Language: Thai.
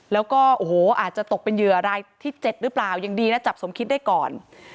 แล้วก็โอ้โหอาจจะตกเป็นเหยื่อรายที่๗หรือเปล่ายังดีนะจับสมคิดได้ก่อน